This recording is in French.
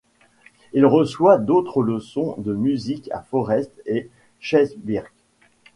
Il reçoit d'autres leçons de musique à Forest et Schaerbeek.